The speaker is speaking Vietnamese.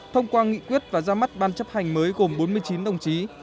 thông qua nghị quyết và ra mắt ban chấp hành mới gồm bốn mươi chín đồng chí